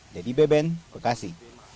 dedy beben bekasi